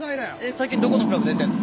最近どこのクラブ出てんの？